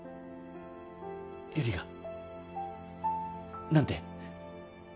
悠里が？なんて？